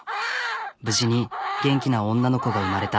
無事に元気な女の子が産まれた。